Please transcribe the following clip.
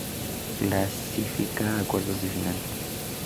Clasifica a cuartos de final.